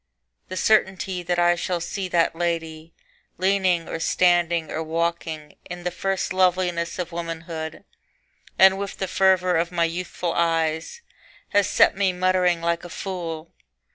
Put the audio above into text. The certainty that I shall see that lady Leaning or standing or walking In the first loveliness of womanhood, And with the fervour of my youthful eyes, Has set me muttering like a fool.